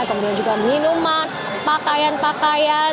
kemudian juga minuman pakaian pakaian